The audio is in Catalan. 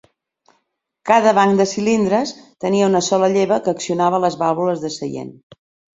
Cada banc de cilindres tenia una sola lleva que accionava les vàlvules de seient.